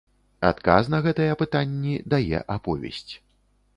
Адказ на гэтыя пытанні дае аповесць.